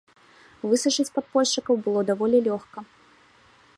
Высачыць падпольшчыкаў было даволі лёгка.